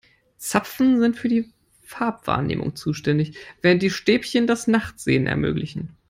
Zapfen sind für die Farbwahrnehmung zuständig, während die Stäbchen das Nachtsehen ermöglichen.